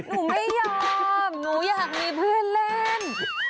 หนูไม่ยอมหนูอยากมีเพื่อนเล่น